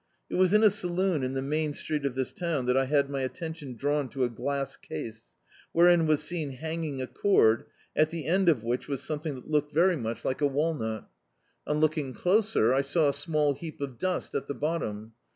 It was in a saloon in the main street of this town that I had my attenrion drawn to a glass case, wherein was seen hanging a cord, at the end of which was stnnething that looked very much like a Dictzed by Google A Lynching walQuL On looking closer, I saw a small heap of dust at the bott(Hn.